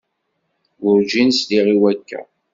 Werǧin sliɣ i wakka.